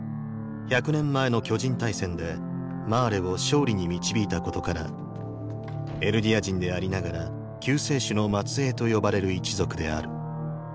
１００年前の巨人大戦でマーレを勝利に導いたことからエルディア人でありながら「救世主の末裔」と呼ばれる一族である。